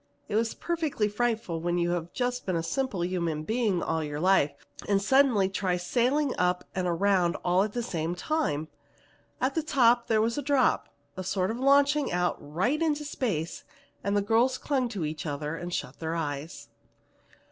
It was perfectly frightful when you have just been a simple human being all your life and suddenly try sailing up and around all at the same time! At the top there was a drop, a sort of launching out right into space, and the girls clung to each other and shut their eyes.